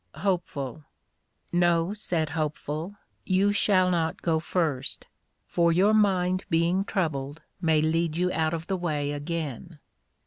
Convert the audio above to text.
HOPE. No, said Hopeful, you shall not go first; for your mind being troubled may lead you out of the way again.